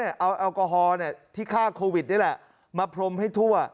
เอาแอลกอฮอล์ที่ฆ่าโควิดนี่แหละมาพรมให้ทั่ว